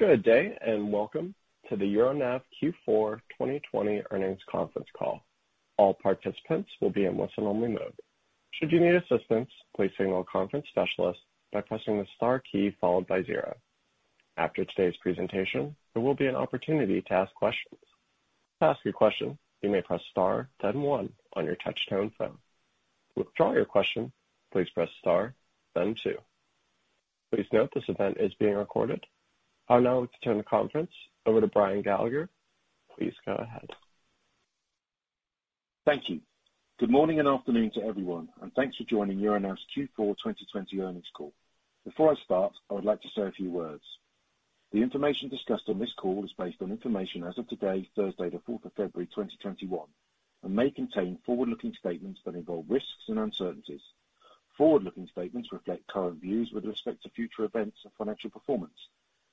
Good day, and welcome to the Euronav Q4 2020 earnings conference call. All participants will be in listen-only mode. Should you need assistance, please signal a conference specialist by pressing the star key followed by zero. After today's presentation, there will be an opportunity to ask questions. To ask a question, you may press star, then one on your touch-tone phone. To withdraw your question, please press star, then two. Please note this event is being recorded. I would now like to turn the conference over to Brian Gallagher. Please go ahead. Thank you. Good morning and afternoon to everyone, thanks for joining Euronav's Q4 2020 earnings call. Before I start, I would like to say a few words. The information discussed on this call is based on information as of today, Thursday, the 4th of February, 2021, may contain forward-looking statements that involve risks and uncertainties. Forward-looking statements reflect current views with respect to future events and financial performance,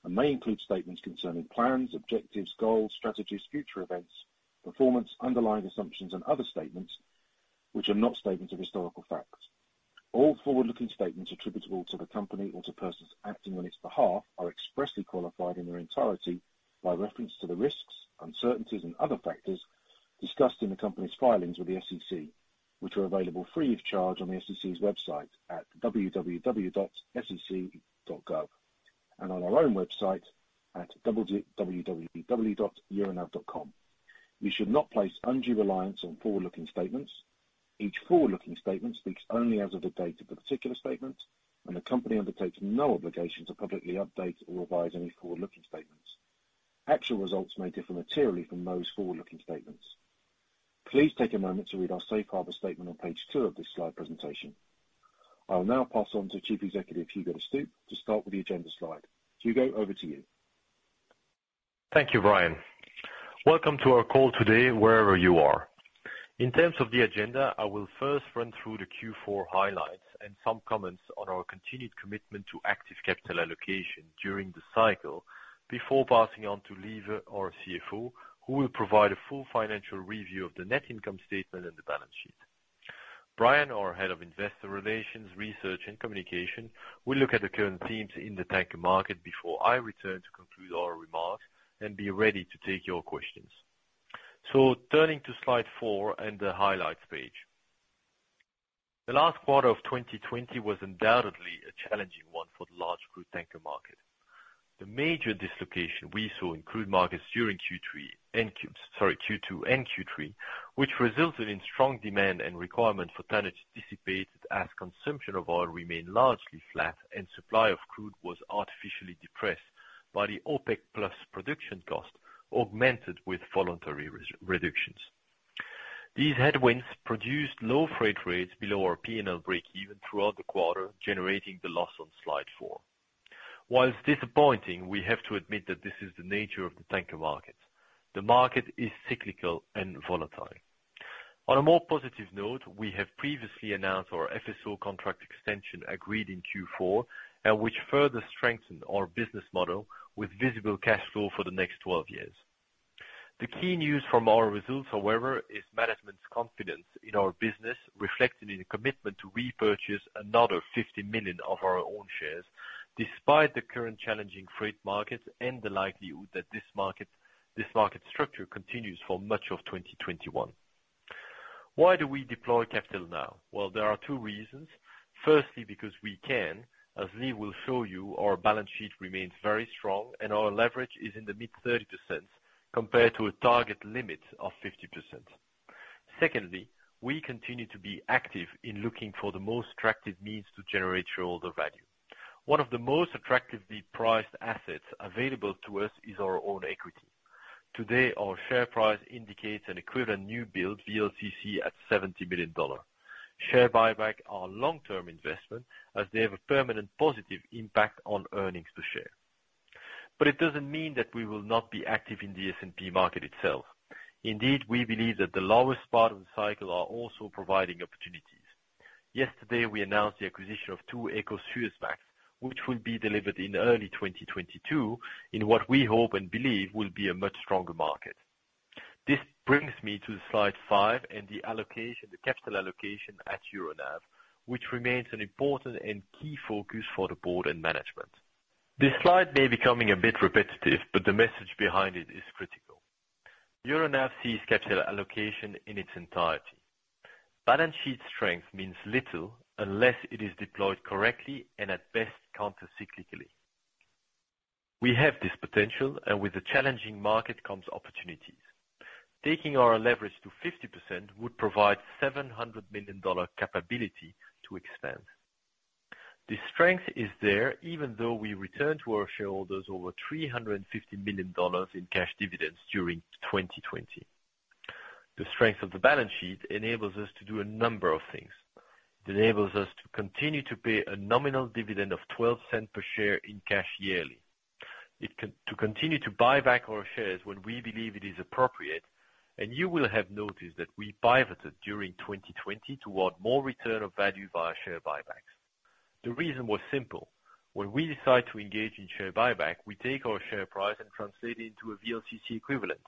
may include statements concerning plans, objectives, goals, strategies, future events, performance, underlying assumptions, and other statements which are not statements of historical facts. All forward-looking statements attributable to the company or to persons acting on its behalf are expressly qualified in their entirety by reference to the risks, uncertainties, and other factors discussed in the company's filings with the SEC, which are available free of charge on the SEC's website at www.sec.gov. On our own website at www.euronav.com. We should not place undue reliance on forward-looking statements. Each forward-looking statement speaks only as of the date of the particular statement, and the company undertakes no obligation to publicly update or revise any forward-looking statements. Actual results may differ materially from those forward-looking statements. Please take a moment to read our safe harbor statement on page two of this slide presentation. I will now pass on to Chief Executive Hugo De Stoop to start with the agenda slide. Hugo, over to you. Thank you, Brian. Welcome to our call today, wherever you are. In terms of the agenda, I will first run through the Q4 highlights and some comments on our continued commitment to active capital allocation during this cycle before passing on to Lieve, our CFO, who will provide a full financial review of the net income statement and the balance sheet. Brian, our Head of Investor Relations, Research, and Communication, will look at the current themes in the tanker market before I return to conclude our remarks and be ready to take your questions. Turning to slide four and the highlights page. The last quarter of 2020 was undoubtedly a challenging one for the large crude tanker market. The major dislocation we saw in crude markets during Q2 and Q3, which resulted in strong demand and requirement for tonnage dissipated as consumption of oil remained largely flat and supply of crude was artificially depressed by the OPEC+ production cuts, augmented with voluntary reductions. These headwinds produced low freight rates below our P&L breakeven throughout the quarter, generating the loss on slide four. Whilst disappointing, we have to admit that this is the nature of the tanker market. The market is cyclical and volatile. On a more positive note, we have previously announced our FSO contract extension agreed in Q4, and which further strengthened our business model with visible cash flow for the next 12 years. The key news from our results, however, is management's confidence in our business, reflected in a commitment to repurchase another $50 million of our own shares, despite the current challenging freight markets and the likelihood that this market structure continues for much of 2021. Why do we deploy capital now? There are two reasons. Firstly, because we can, as Lieve will show you, our balance sheet remains very strong, and our leverage is in the mid-30% compared to a target limit of 50%. Secondly, we continue to be active in looking for the most attractive means to generate shareholder value. One of the most attractively priced assets available to us is our own equity. Today, our share price indicates an equivalent new build VLCC at $70 million. Share buyback are long-term investment as they have a permanent positive impact on earnings per share. It doesn't mean that we will not be active in the S&P market itself. Indeed, we believe that the lowest part of the cycle are also providing opportunities. Yesterday, we announced the acquisition of two Eco Suezmaxes, which will be delivered in early 2022 in what we hope and believe will be a much stronger market. This brings me to slide five and the allocation, the capital allocation at Euronav, which remains an important and key focus for the board and management. This slide may be becoming a bit repetitive, but the message behind it is critical. Euronav sees capital allocation in its entirety. Balance sheet strength means little unless it is deployed correctly and at best, counter-cyclically. We have this potential, and with the challenging market comes opportunities. Taking our leverage to 50% would provide $700 million capability to expand. This strength is there even though we returned to our shareholders over $350 million in cash dividends during 2020. The strength of the balance sheet enables us to do a number of things. It enables us to continue to pay a nominal dividend of $0.12 per share in cash yearly. To continue to buy back our shares when we believe it is appropriate. You will have noticed that we pivoted during 2020 toward more return of value via share buybacks. The reason was simple. When we decide to engage in share buyback, we take our share price and translate it into a VLCC equivalent.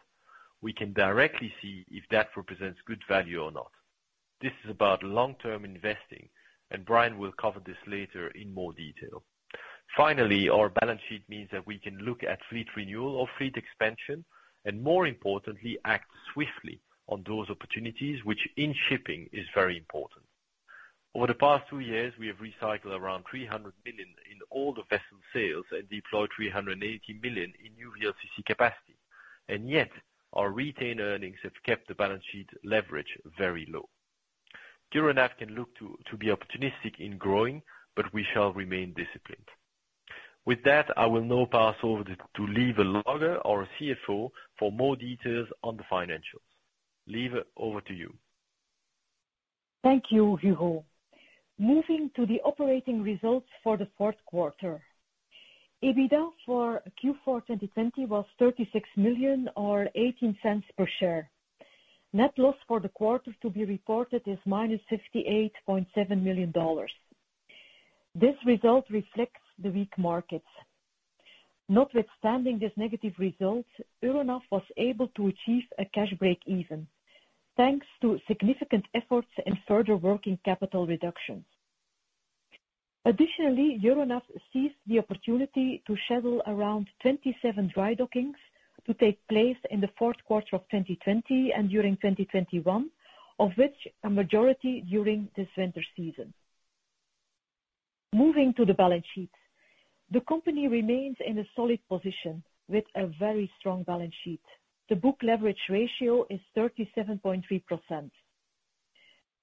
We can directly see if that represents good value or not. This is about long-term investing. Brian will cover this later in more detail. Finally, our balance sheet means that we can look at fleet renewal or fleet expansion, and more importantly, act swiftly on those opportunities, which in shipping is very important. Over the past two years, we have recycled around $300 million in older vessel sales and deployed $380 million in new VLCC capacity, and yet our retained earnings have kept the balance sheet leverage very low. Euronav can look to be opportunistic in growing, but we shall remain disciplined. With that, I will now pass over to Lieve Logghe, our CFO, for more details on the financials. Lieve, over to you. Thank you, Hugo. Moving to the operating results for the fourth quarter. EBITDA for Q4 2020 was $36 million or $0.18 per share. Net loss for the quarter to be reported is -$58.7 million. This result reflects the weak markets. Notwithstanding this negative result, Euronav was able to achieve a cash breakeven thanks to significant efforts in further working capital reductions. Additionally, Euronav seized the opportunity to schedule around 27 dry dockings to take place in the fourth quarter of 2020 and during 2021, of which a majority during this winter season. Moving to the balance sheet. The company remains in a solid position with a very strong balance sheet. The book leverage ratio is 37.3%.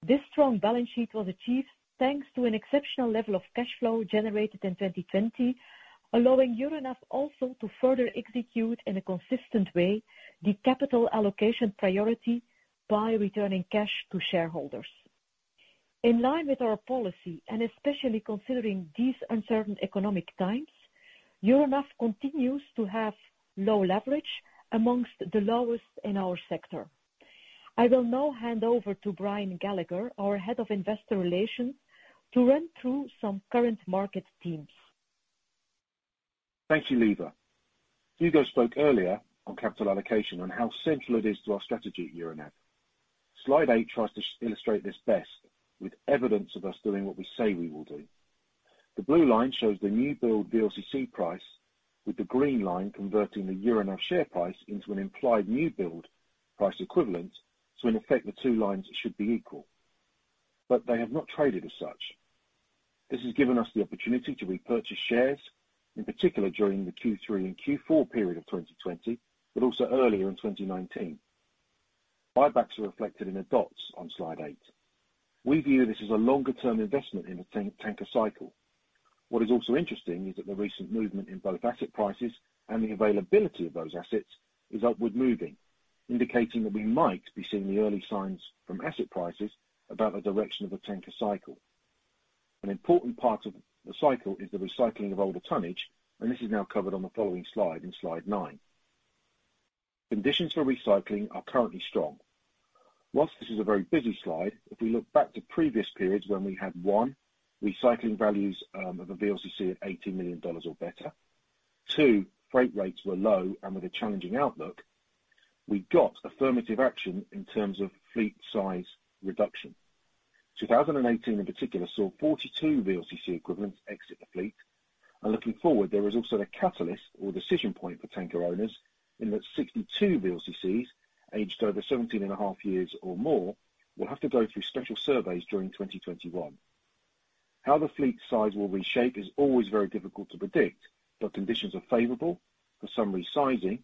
This strong balance sheet was achieved thanks to an exceptional level of cash flow generated in 2020, allowing Euronav also to further execute in a consistent way the capital allocation priority by returning cash to shareholders. In line with our policy, and especially considering these uncertain economic times, Euronav continues to have low leverage amongst the lowest in our sector. I will now hand over to Brian Gallagher, our Head of Investor Relations, to run through some current market themes. Thank you, Lieve. Hugo spoke earlier on capital allocation and how central it is to our strategy at Euronav. Slide eight tries to illustrate this best with evidence of us doing what we say we will do. The blue line shows the new build VLCC price, with the green line converting the Euronav share price into an implied new build price equivalent, so in effect, the two lines should be equal. They have not traded as such. This has given us the opportunity to repurchase shares, in particular during the Q3 and Q4 period of 2020, but also earlier in 2019. Buybacks are reflected in the dots on slide eight. We view this as a longer-term investment in the tanker cycle. What is also interesting is that the recent movement in both asset prices and the availability of those assets is upward moving, indicating that we might be seeing the early signs from asset prices about the direction of the tanker cycle. An important part of the cycle is the recycling of older tonnage, and this is now covered on the following slide, in slide nine. Conditions for recycling are currently strong. While this is a very busy slide, if we look back to previous periods when we had, one, recycling values of a VLCC at $80 million or better, two, freight rates were low and with a challenging outlook, we got affirmative action in terms of fleet size reduction. 2018 in particular saw 42 VLCC equivalents exit the fleet. Looking forward, there is also a catalyst or decision point for tanker owners in that 62 VLCCs aged over 17.5 years or more will have to go through special surveys during 2021. How the fleet size will reshape is always very difficult to predict. Conditions are favorable for some resizing,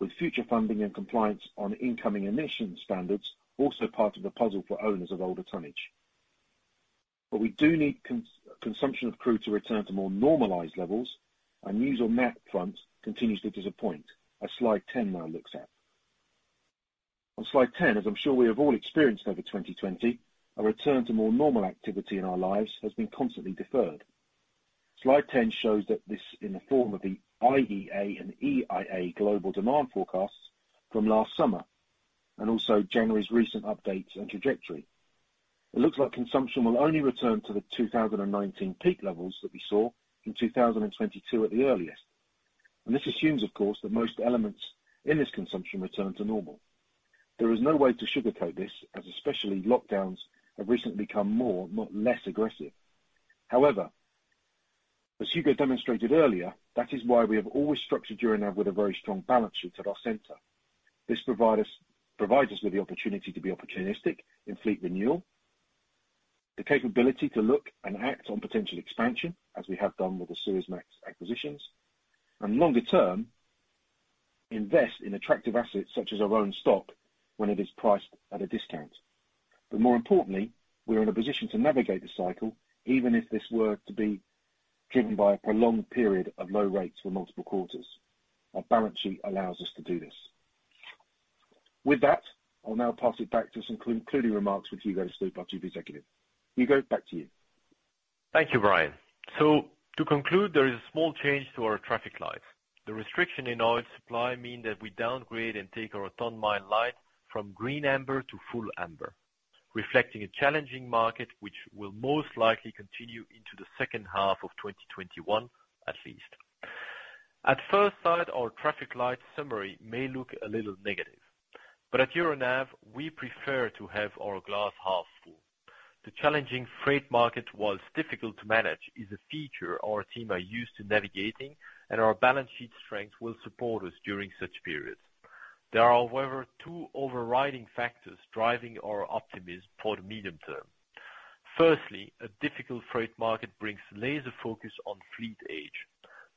with future funding and compliance on incoming emission standards also part of the puzzle for owners of older tonnage. We do need consumption of crude to return to more normalized levels. News on that front continues to disappoint. As slide 10 now looks at. On slide 10, as I'm sure we have all experienced over 2020, a return to more normal activity in our lives has been constantly deferred. Slide 10 shows that this, in the form of the IEA and EIA global demand forecasts from last summer, and also January's recent updates and trajectory. It looks like consumption will only return to the 2019 peak levels that we saw in 2022 at the earliest. This assumes, of course, that most elements in this consumption return to normal. There is no way to sugarcoat this, as especially lockdowns have recently become more, not less, aggressive. However, as Hugo demonstrated earlier, that is why we have always structured Euronav with a very strong balance sheet at our center. This provides us with the opportunity to be opportunistic in fleet renewal. The capability to look and act on potential expansion, as we have done with the Suezmax acquisitions. Longer term, invest in attractive assets such as our own stock when it is priced at a discount. More importantly, we are in a position to navigate the cycle, even if this were to be driven by a prolonged period of low rates for multiple quarters. Our balance sheet allows us to do this. With that, I'll now pass it back to some concluding remarks with Hugo De Stoop, our Chief Executive. Hugo, back to you. Thank you, Brian. To conclude, there is a small change to our traffic light. The restriction in oil supply mean that we downgrade and take our ton mile light from green amber to full amber. Reflecting a challenging market, which will most likely continue into the second half of 2021, at least. At first sight, our traffic light summary may look a little negative, but at Euronav, we prefer to have our glass half full. The challenging freight market, whilst difficult to manage, is a feature our team are used to navigating, and our balance sheet strength will support us during such periods. There are, however, two overriding factors driving our optimism for the medium term. Firstly, a difficult freight market brings laser focus on fleet age.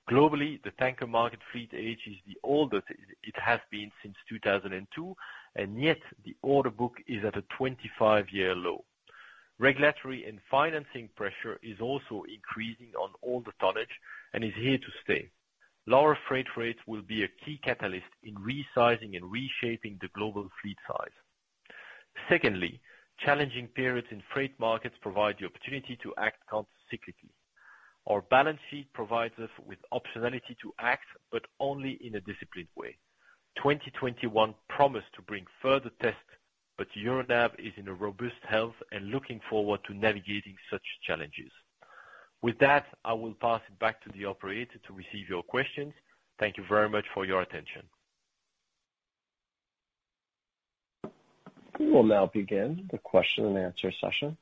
Globally, the tanker market fleet age is the oldest it has been since 2002, and yet the order book is at a 25-year low. Regulatory and financing pressure is also increasing on all the tonnage and is here to stay. Lower freight rates will be a key catalyst in resizing and reshaping the global fleet size. Secondly, challenging periods in freight markets provide the opportunity to act counter-cyclically. Our balance sheet provides us with optionality to act, but only in a disciplined way. 2021 promised to bring further tests, but Euronav is in a robust health and looking forward to navigating such challenges. With that, I will pass it back to the operator to receive your questions. Thank you very much for your attention. We will now begin the question-and-answer session.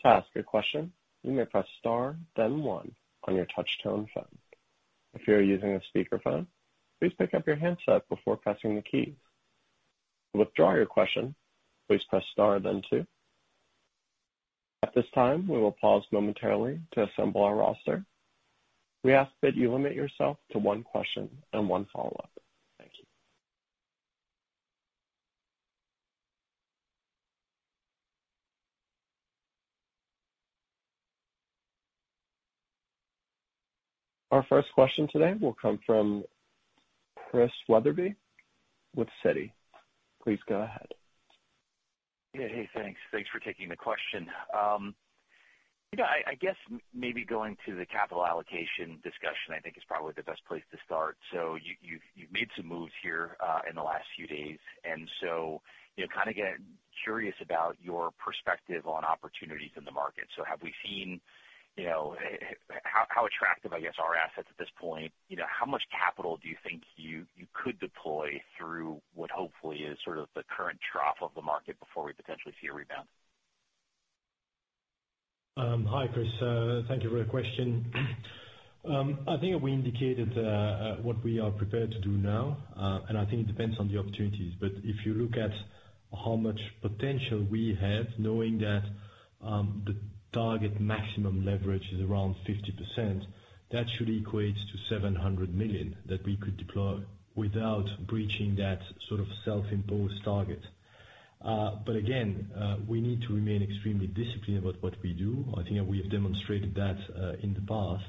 To ask a question, you may press star then one on your touch tone phone. If you are using a speakerphone, please pick up your handset before pressing the keys. To withdraw your question, please press star then two. At this time, we will pause momentarily to assemble our roster. We ask that you limit yourself to one question and one follow-up. Thank you. Our first question today will come from Chris Wetherbee with Citi. Please go ahead. Yeah. Hey, thanks for taking the question. I guess maybe going to the capital allocation discussion, I think is probably the best place to start. You've made some moves here in the last few days, kind of curious about your perspective on opportunities in the market. How attractive, I guess, are assets at this point? How much capital do you think you could deploy through what hopefully is sort of the current trough of the market before we potentially see a rebound? Hi, Chris. Thank you for your question. I think we indicated what we are prepared to do now, and I think it depends on the opportunities. If you look at how much potential we have, knowing that the target maximum leverage is around 50%, that should equate to $700 million that we could deploy without breaching that sort of self-imposed target. Again, we need to remain extremely disciplined about what we do. I think we have demonstrated that in the past.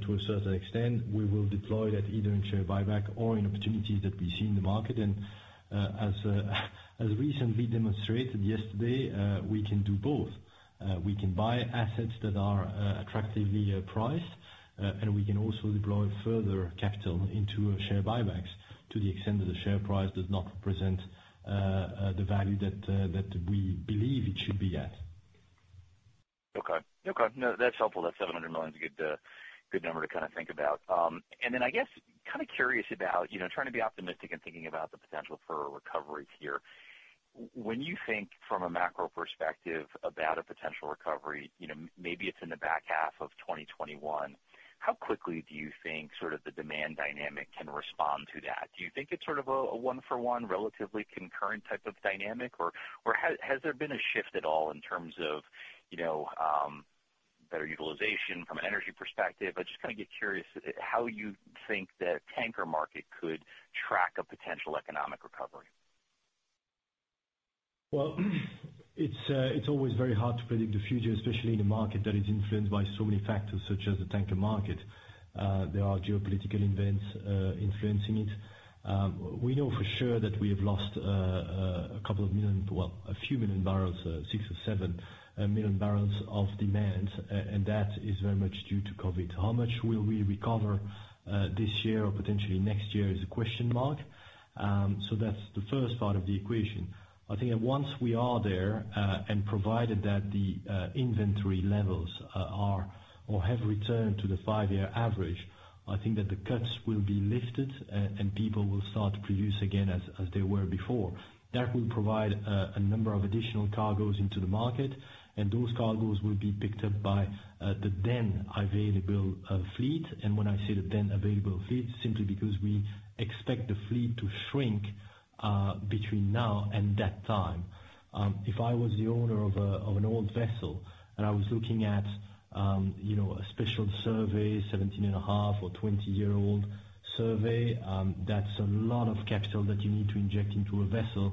To a certain extent, we will deploy that either in share buyback or in opportunities that we see in the market. As recently demonstrated yesterday, we can do both. We can buy assets that are attractively priced, and we can also deploy further capital into share buybacks to the extent that the share price does not represent the value that we believe it should be at. Okay. No, that's helpful. That $700 million is a good number to think about. I guess, kind of curious about trying to be optimistic and thinking about the potential for a recovery here. When you think from a macro perspective about a potential recovery, maybe it's in the back half of 2021, how quickly do you think sort of the demand dynamic can respond to that? Do you think it's sort of a one-for-one, relatively concurrent type of dynamic, or has there been a shift at all in terms of better utilization from an energy perspective? I just kind of get curious how you think the tanker market could track a potential economic recovery. Well, it's always very hard to predict the future, especially in a market that is influenced by so many factors, such as the tanker market. There are geopolitical events influencing it. We know for sure that we have lost a few million barrels, 6 or 7 million barrels of demand, and that is very much due to COVID. How much will we recover this year or potentially next year is a question mark. That's the first part of the equation. I think that once we are there, and provided that the inventory levels are or have returned to the five-year average, I think that the cuts will be lifted, and people will start to produce again as they were before. That will provide a number of additional cargos into the market, and those cargos will be picked up by the then available fleet. When I say the then available fleet, simply because we expect the fleet to shrink between now and that time. If I was the owner of an old vessel and I was looking at a special survey, 17.5 or 20-year-old survey, that's a lot of capital that you need to inject into a vessel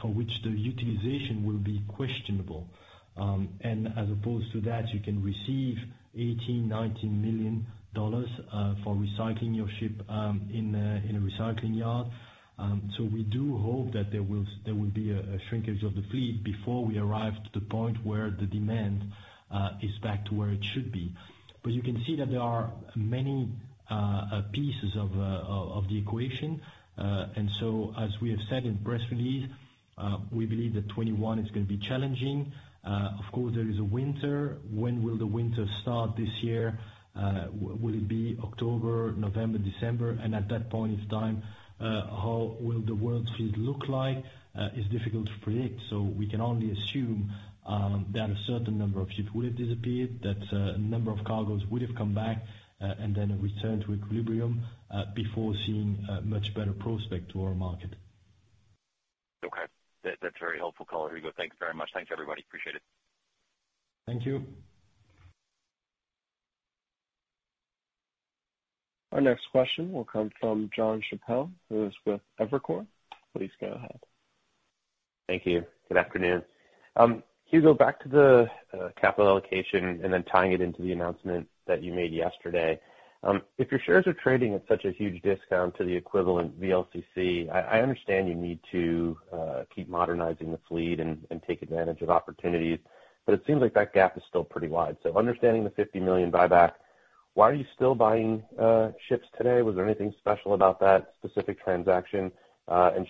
for which the utilization will be questionable. As opposed to that, you can receive $18 million, $19 million for recycling your ship in a recycling yard. We do hope that there will be a shrinkage of the fleet before we arrive to the point where the demand is back to where it should be. You can see that there are many pieces of the equation. As we have said in press release, we believe that 2021 is going to be challenging. Of course, there is a winter. When will the winter start this year? Will it be October, November, December? At that point in time, how will the world fleet look like? It's difficult to predict, so we can only assume that a certain number of ships would have disappeared, that a number of cargos would have come back, and then a return to equilibrium, before seeing a much better prospect to our market. Okay. That's very helpful, color. Thanks very much. Thanks, everybody. Appreciate it. Thank you. Our next question will come from Jon Chappell, who is with Evercore. Please go ahead. Thank you. Good afternoon. Hugo, back to the capital allocation, tying it into the announcement that you made yesterday. If your shares are trading at such a huge discount to the equivalent VLCC, I understand you need to keep modernizing the fleet and take advantage of opportunities, it seems like that gap is still pretty wide. Understanding the $50 million buyback, why are you still buying ships today? Was there anything special about that specific transaction?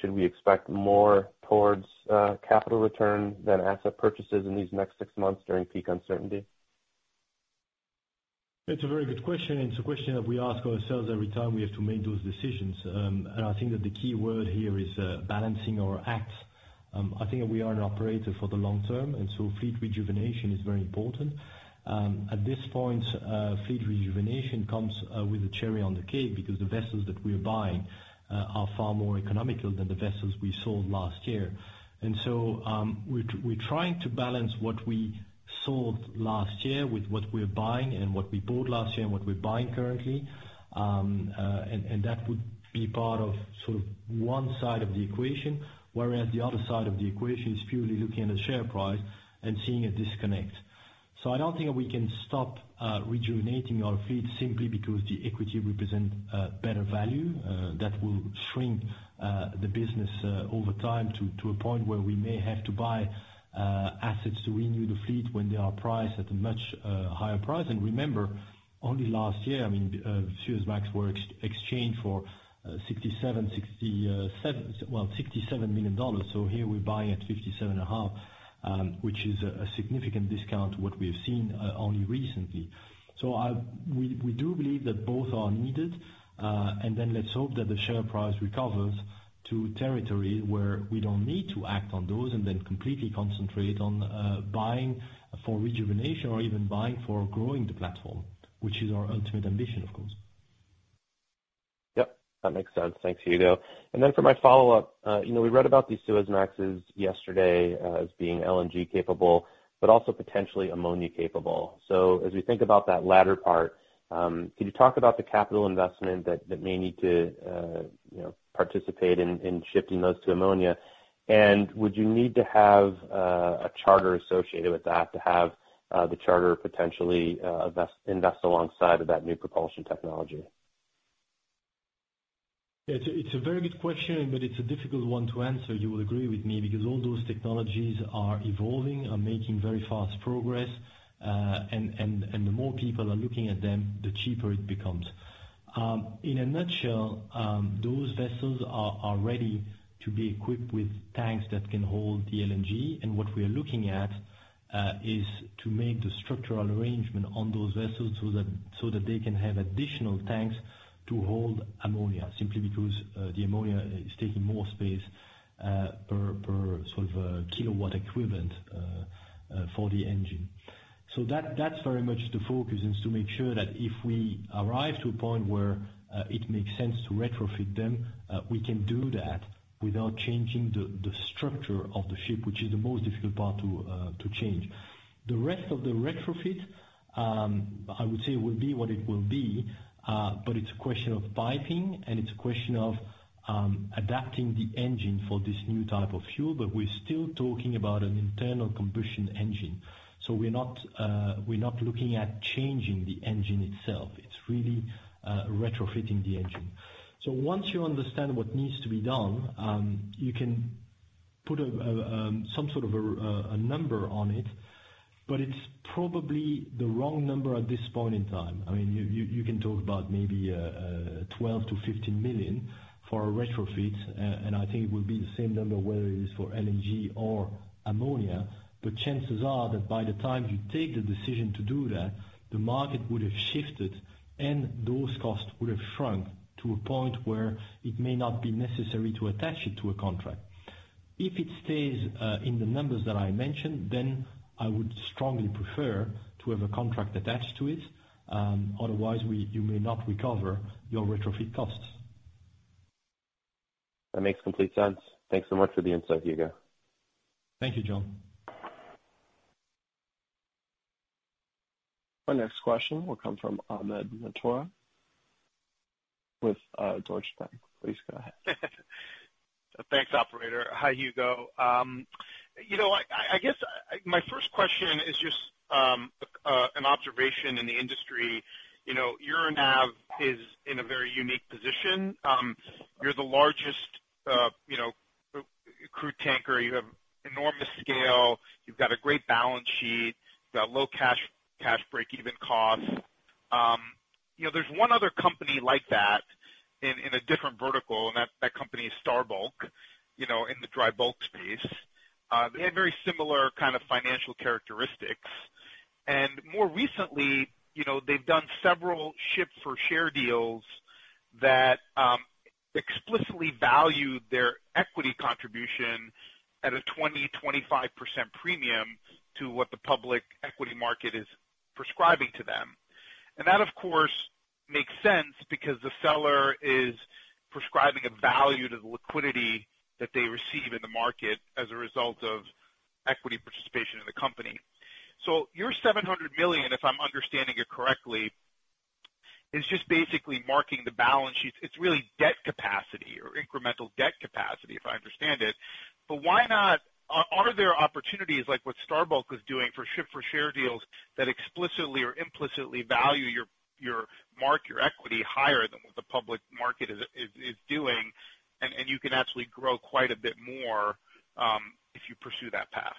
Should we expect more towards capital return than asset purchases in these next six months during peak uncertainty? It's a very good question, and it's a question that we ask ourselves every time we have to make those decisions. I think that the key word here is balancing our acts. I think that we are an operator for the long term, and so fleet rejuvenation is very important. At this point, fleet rejuvenation comes with a cherry on the cake because the vessels that we are buying are far more economical than the vessels we sold last year. We're trying to balance what we sold last year with what we're buying, and what we bought last year, and what we're buying currently. That would be part of one side of the equation, whereas the other side of the equation is purely looking at the share price and seeing a disconnect. I don't think we can stop rejuvenating our fleet simply because the equity represents better value. That will shrink the business over time to a point where we may have to buy assets to renew the fleet when they are priced at a much higher price. Remember, only last year, Suezmax were exchanged for $67 million. Here we're buying at $57.5 million, which is a significant discount to what we have seen only recently. We do believe that both are needed. Then let's hope that the share price recovers to territory where we don't need to act on those, and then completely concentrate on buying for rejuvenation or even buying for growing the platform, which is our ultimate ambition, of course. Yep, that makes sense. Thanks, Hugo. For my follow-up, we read about these Suezmaxes yesterday as being LNG capable, but also potentially ammonia capable. As we think about that latter part, can you talk about the capital investment that may need to participate in shifting those to ammonia? Would you need to have a charter associated with that to have the charter potentially invest alongside of that new propulsion technology? It's a very good question, but it's a difficult one to answer, you will agree with me, because all those technologies are evolving and making very fast progress. The more people are looking at them, the cheaper it becomes. In a nutshell, those vessels are ready to be equipped with tanks that can hold the LNG. What we are looking at, is to make the structural arrangement on those vessels so that they can have additional tanks to hold ammonia, simply because the ammonia is taking more space per kilowatt equivalent for the engine. That's very much the focus, is to make sure that if we arrive to a point where it makes sense to retrofit them, we can do that without changing the structure of the ship, which is the most difficult part to change. The rest of the retrofit, I would say, will be what it will be. It's a question of piping, and it's a question of adapting the engine for this new type of fuel. We're still talking about an internal combustion engine. We're not looking at changing the engine itself. It's really retrofitting the engine. Once you understand what needs to be done, you can put some sort of a number on it, but it's probably the wrong number at this point in time. You can talk about maybe $12 million-$15 million for a retrofit, and I think it would be the same number whether it is for LNG or ammonia. Chances are that by the time you take the decision to do that, the market would have shifted, and those costs would have shrunk to a point where it may not be necessary to attach it to a contract. If it stays in the numbers that I mentioned, then I would strongly prefer to have a contract attached to it. Otherwise, you may not recover your retrofit costs. That makes complete sense. Thanks so much for the insight, Hugo. Thank you, Jon. Our next question will come from Amit Mehrotra with Deutsche Bank. Please go ahead. Thanks, operator. Hi, Hugo. I guess my first question is just an observation in the industry. Euronav is in a very unique position. You're the largest crude tanker. You have enormous scale. You've got a great balance sheet. You've got low cash break-even costs. There's one other company like that in a different vertical. That company is Star Bulk, in the dry bulk space. They have very similar kind of financial characteristics. More recently, they've done several ship-for-share deals that explicitly value their equity contribution at a 20%-25% premium to what the public equity market is prescribing to them. That, of course, makes sense because the seller is prescribing a value to the liquidity that they receive in the market as a result of equity participation in the company. Your $700 million, if I'm understanding it correctly, is just basically marking the balance sheet. It's really debt capacity or incremental debt capacity, if I understand it. Are there opportunities like what Star Bulk is doing for ship-for-share deals that explicitly or implicitly value your market, your equity higher than what the public market is doing, and you can actually grow quite a bit more, if you pursue that path?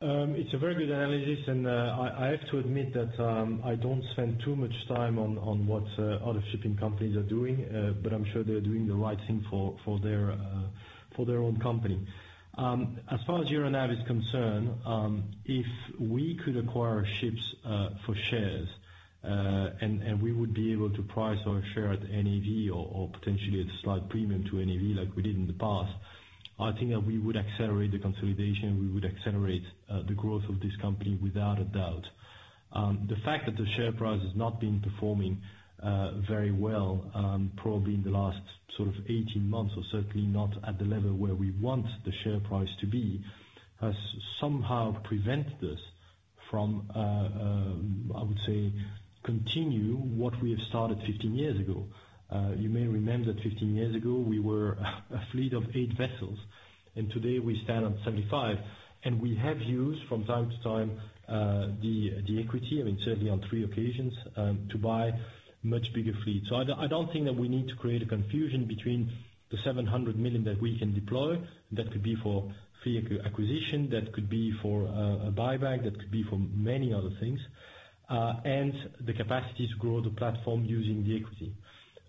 It's a very good analysis. I have to admit that I don't spend too much time on what other shipping companies are doing. I'm sure they're doing the right thing for their own company. As far as Euronav is concerned, if we could acquire ships for shares, and we would be able to price our share at NAV or potentially at a slight premium to NAV like we did in the past, I think that we would accelerate the consolidation, we would accelerate the growth of this company without a doubt. The fact that the share price has not been performing very well, probably in the last sort of 18 months, or certainly not at the level where we want the share price to be, has somehow prevented us from, I would say, continue what we have started 15 years ago. You may remember that 15 years ago, we were a fleet of eight vessels, and today we stand on 75, and we have used from time to time, the equity, I mean certainly on three occasions, to buy much bigger fleet. I don't think that we need to create a confusion between the $700 million that we can deploy. That could be for fleet acquisition, that could be for a buyback, that could be for many other things, and the capacity to grow the platform using the equity.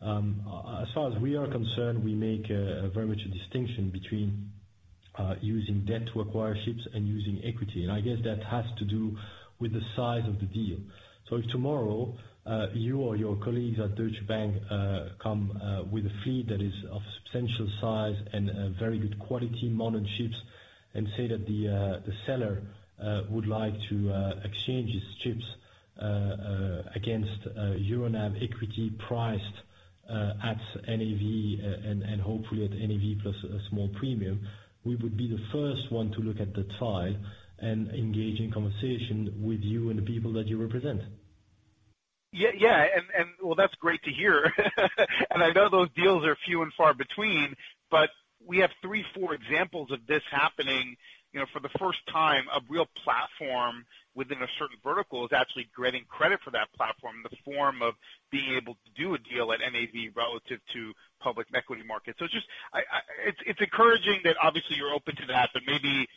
As far as we are concerned, we make a very much a distinction between using debt to acquire ships and using equity. I guess that has to do with the size of the deal. If tomorrow, you or your colleagues at Deutsche Bank, come with a fleet that is of substantial size and very good quality modern ships and say that the seller would like to exchange his ships against Euronav equity priced at NAV, and hopefully at NAV plus a small premium, we would be the first one to look at that file and engage in conversation with you and the people that you represent. Yeah. Well, that's great to hear. I know those deals are few and far between, but we have three, four examples of this happening. For the first time, a real platform within a certain vertical is actually granting credit for that platform in the form of being able to do a deal at NAV relative to public equity market. It's encouraging that obviously you're open to that, but maybe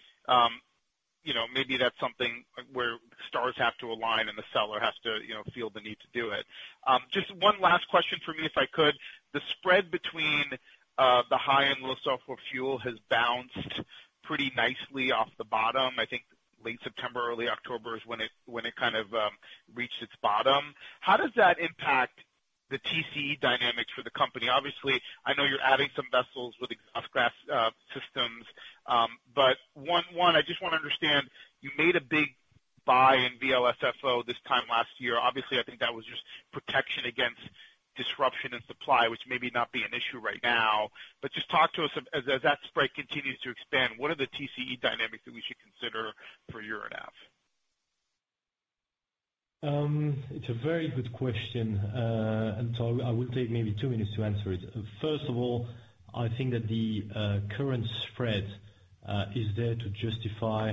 that's something where stars have to align, and the seller has to feel the need to do it. Just one last question from me, if I could. The spread between the high and low sulfur fuel has bounced pretty nicely off the bottom. I think late September, early October is when it kind of reached its bottom. How does that impact the TCE dynamics for the company? Obviously, I know you're adding some vessels with exhaust gas systems. One, I just want to understand, you made a big buy in VLSFO this time last year. Obviously, I think that was just protection against disruption in supply, which may not be an issue right now. Just talk to us, as that spread continues to expand, what are the TCE dynamics that we should consider for Euronav? It's a very good question. I will take maybe two minutes to answer it. First of all, I think that the current spread, is there to justify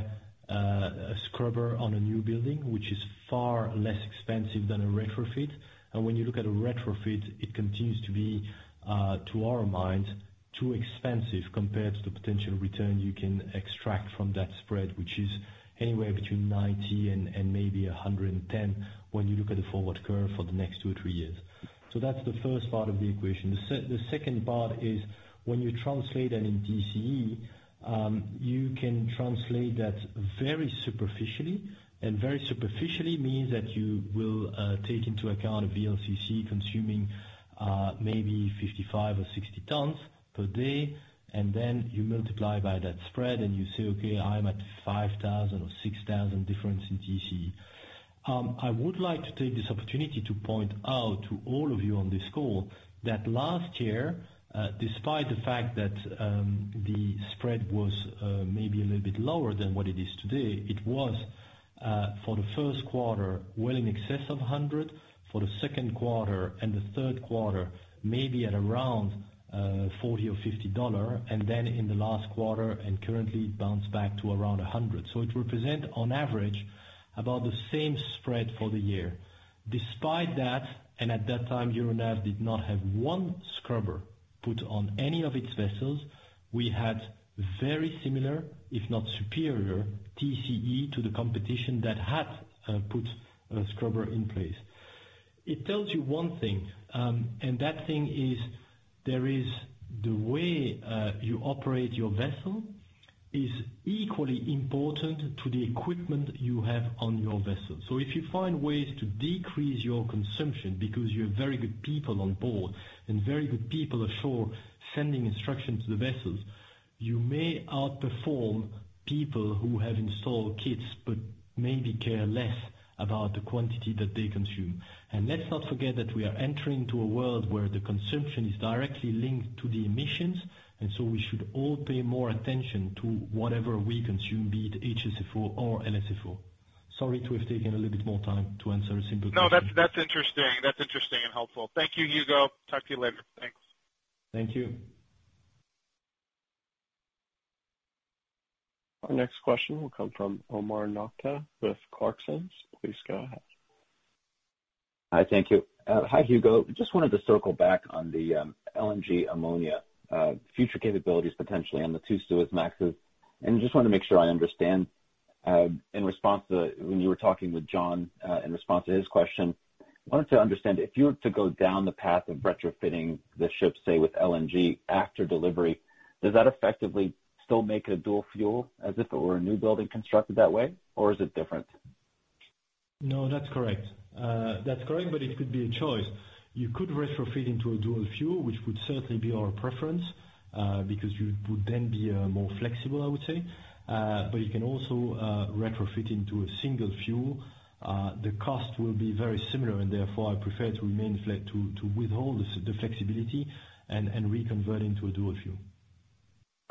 a scrubber on a new building, which is far less expensive than a retrofit. When you look at a retrofit, it continues to be, to our minds, too expensive compared to the potential return you can extract from that spread, which is anywhere between 90 and maybe 110, when you look at the forward curve for the next two or three years. That's the first part of the equation. The second part is when you translate that into TCE, you can translate that very superficially. Very superficially means that you will take into account a VLCC consuming maybe 55 or 60 tons per day, and then you multiply by that spread and you say, "Okay, I'm at 5,000 or 6,000 difference in TCE." I would like to take this opportunity to point out to all of you on this call that last year, despite the fact that the spread was maybe a little bit lower than what it is today, it was for the first quarter, well in excess of $100. For the second quarter and the third quarter, maybe at around $40 or $50, and then in the last quarter and currently it bounced back to around $100. It represent on average, about the same spread for the year. Despite that, and at that time, Euronav did not have one scrubber put on any of its vessels. We had very similar, if not superior TCE to the competition that had put a scrubber in place. It tells you one thing, and that thing is, the way you operate your vessel is equally important to the equipment you have on your vessel. If you find ways to decrease your consumption because you have very good people on board and very good people ashore sending instructions to the vessels, you may outperform people who have installed kits, but maybe care less about the quantity that they consume. Let's not forget that we are entering into a world where the consumption is directly linked to the emissions, and so we should all pay more attention to whatever we consume, be it HSFO or LSFO. Sorry to have taken a little bit more time to answer a simple question. No, that's interesting. That's interesting and helpful. Thank you, Hugo. Talk to you later. Thanks. Thank you. Our next question will come from Omar Nokta with Clarksons. Please go ahead. Hi. Thank you. Hi, Hugo. Just wanted to circle back on the LNG ammonia future capabilities, potentially, on the two Suezmaxes, and just wanted to make sure I understand. When you were talking with Jon, in response to his question, wanted to understand if you were to go down the path of retrofitting the ship, say, with LNG after delivery, does that effectively still make it a dual fuel, as if it were a new building constructed that way? Or is it different? No, that's correct. That's correct, but it could be a choice. You could retrofit into a dual fuel, which would certainly be our preference, because you would then be more flexible, I would say. You can also retrofit into a single fuel. The cost will be very similar, and therefore, I prefer to withhold the flexibility and reconvert into a dual fuel.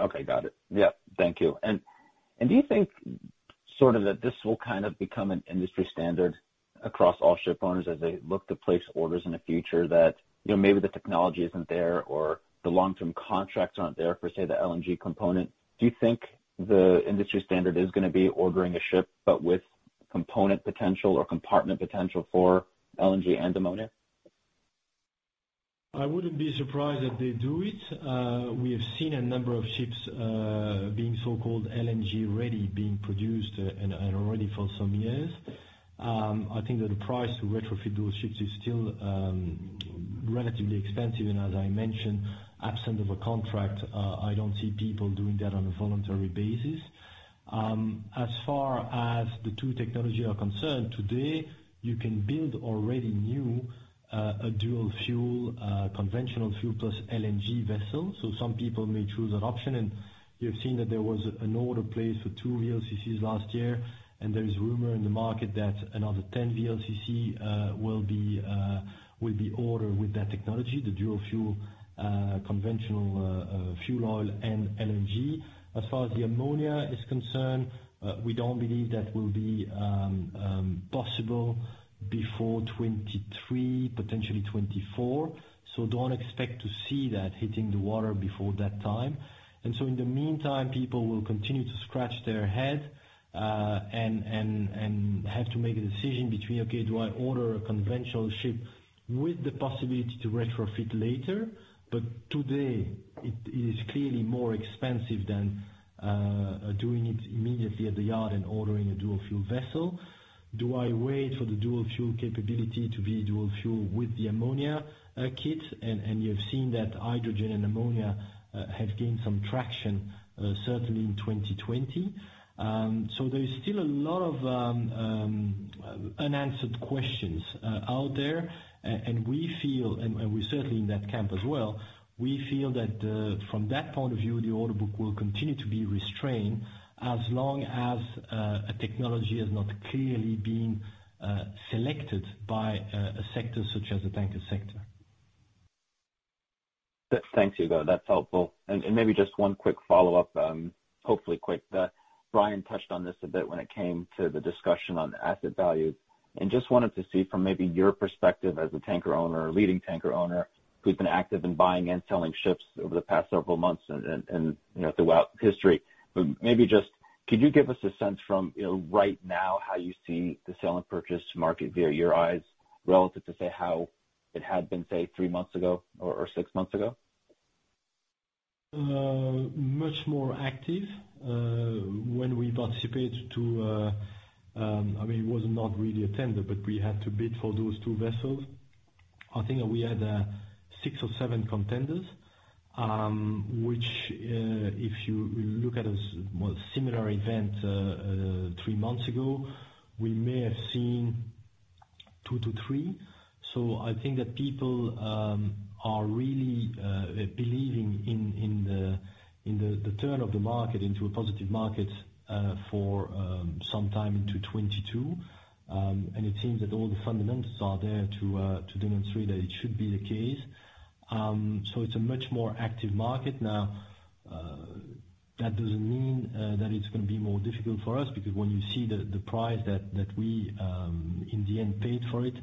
Okay, got it. Yeah. Thank you. Do you think that this will become an industry standard across all ship owners as they look to place orders in the future that maybe the technology isn't there, or the long-term contracts aren't there for, say, the LNG component? Do you think the industry standard is going to be ordering a ship, but with component potential or compartment potential for LNG and ammonia? I wouldn't be surprised if they do it. We have seen a number of ships being so-called LNG-ready being produced, and already for some years. I think that the price to retrofit those ships is still relatively expensive. As I mentioned, absent of a contract, I don't see people doing that on a voluntary basis. As far as the two technology are concerned, today, you can build already new, a dual fuel, conventional fuel plus LNG vessel. Some people may choose that option. You have seen that there was an order placed with two VLCCs last year, and there is rumor in the market that another 10 VLCC will be ordered with that technology, the dual fuel, conventional fuel oil, and LNG. As far as the ammonia is concerned, we don't believe that will be possible before 2023, potentially 2024. Don't expect to see that hitting the water before that time. In the meantime, people will continue to scratch their head, and have to make a decision between, okay, do I order a conventional ship with the possibility to retrofit later? Today, it is clearly more expensive than doing it immediately at the yard and ordering a dual fuel vessel. Do I wait for the dual fuel capability to be dual fuel with the ammonia kit? You've seen that hydrogen and ammonia have gained some traction, certainly in 2020. There is still a lot of unanswered questions out there, and we certainly are in that camp as well. We feel that from that point of view, the order book will continue to be restrained as long as a technology has not clearly been selected by a sector such as the tanker sector. Thanks, Hugo. That's helpful. Maybe just one quick follow-up, hopefully quick. Brian touched on this a bit when it came to the discussion on asset value. Just wanted to see from maybe your perspective as a tanker owner, a leading tanker owner, who's been active in buying and selling ships over the past several months, and throughout history. Maybe just, could you give us a sense from right now how you see the sale and purchase market via your eyes relative to, say, how it had been, say, three months ago or six months ago? Much more active. It was not really a tender, but we had to bid for those two vessels. I think that we had six or seven contenders, which if you will look at a similar event three months ago, we may have seen two to three. I think that people are really believing in the turn of the market into a positive market for some time into 2022. It seems that all the fundamentals are there to demonstrate that it should be the case. It's a much more active market now. That doesn't mean that it's going to be more difficult for us, because when you see the price that we, in the end, paid for it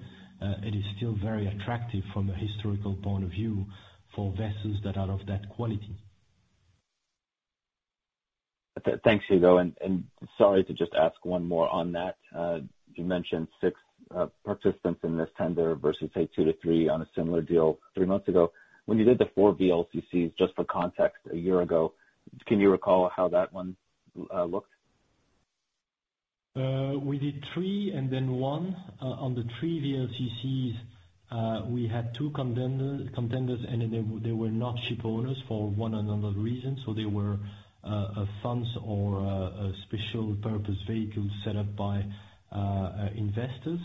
is still very attractive from a historical point of view for vessels that are of that quality. Thanks, Hugo. Sorry to just ask one more on that. You mentioned six participants in this tender versus, say, two to three on a similar deal three months ago. When you did the four VLCCs, just for context, a year ago, can you recall how that one looked? We did three, and then one. On the three VLCCs, we had two contenders, and they were not ship owners for one or another reason. They were funds or special purpose vehicles set up by investors.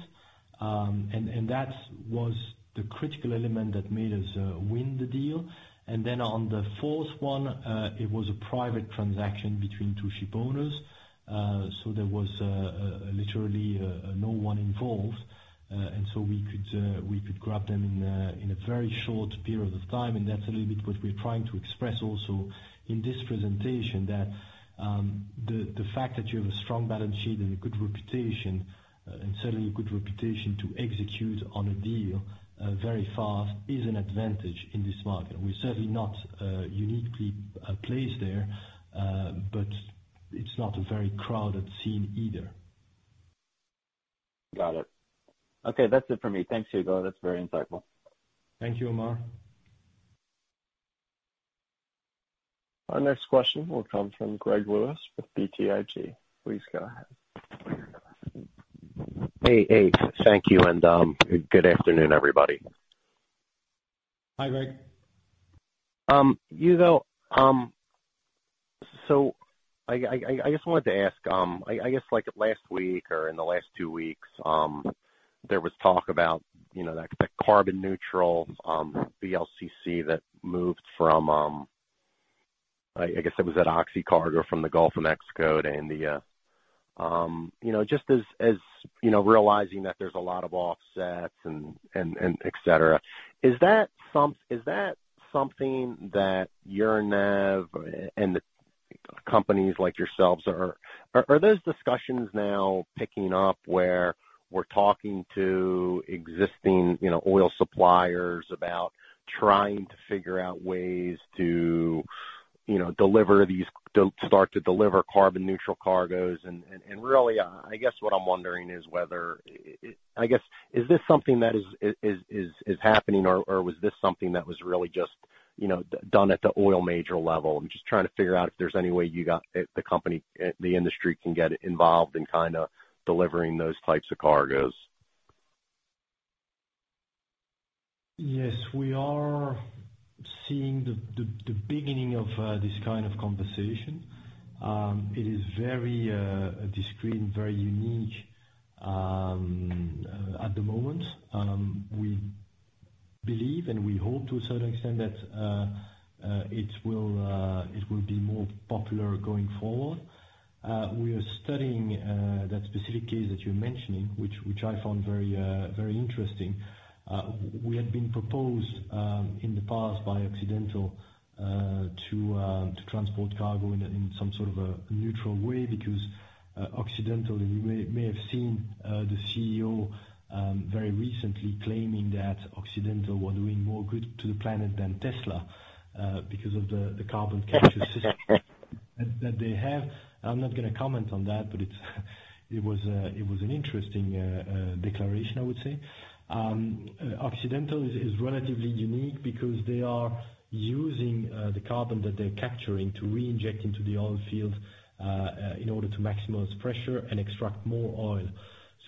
That was the critical element that made us win the deal. Then on the fourth one, it was a private transaction between two ship owners. There was literally no one involved. So we could grab them in a very short period of time. That's a little bit what we're trying to express also in this presentation, that the fact that you have a strong balance sheet and a good reputation, and certainly a good reputation to execute on a deal very fast, is an advantage in this market. We're certainly not uniquely placed there, but it's not a very crowded scene either. Got it. Okay, that's it for me. Thanks, Hugo. That's very insightful. Thank you, Omar. Our next question will come from Greg Lewis with BTIG. Please go ahead. Hey. Thank you, and good afternoon, everybody. Hi, Greg. Hugo, I just wanted to ask, I guess, last week or in the last two weeks, there was talk about that carbon neutral VLCC that moved from, I guess it was at Oxy cargo from the Gulf of Mexico. Just as realizing that there's a lot of offsets, et cetera, is that something that Euronav and companies like yourselves? Are those discussions now picking up, where we're talking to existing oil suppliers about trying to figure out ways to start to deliver carbon neutral cargos? Really, I guess what I'm wondering is whether, is this something that is happening or was this something that was really just done at the oil major level? I'm just trying to figure out if there's any way the industry can get involved in delivering those types of cargos. Yes, we are seeing the beginning of this kind of conversation. It is very discreet and very unique at the moment. We believe, and we hope to a certain extent that it will be more popular going forward. We are studying that specific case that you're mentioning, which I found very interesting. We had been proposed in the past by Occidental to transport cargo in some sort of a neutral way, because Occidental, you may have seen the CEO very recently claiming that Occidental were doing more good to the planet than Tesla because of the carbon capture system that they have. I'm not going to comment on that, but it was an interesting declaration, I would say. Occidental is relatively unique because they are using the carbon that they're capturing to reinject into the oil field in order to maximize pressure and extract more oil.